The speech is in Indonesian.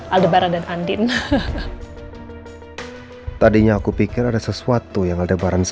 aldebaran dan andin